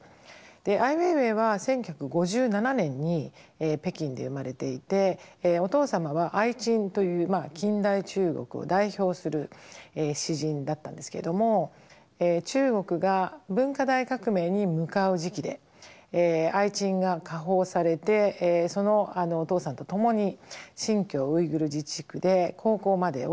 アイ・ウェイウェイは１９５７年に北京で生まれていてお父様はアイ・チンという近代中国を代表する詩人だったんですけれども中国が文化大革命に向かう時期でアイ・チンが下放されてそのお父さんと共に新疆ウイグル自治区で高校までを過ごします。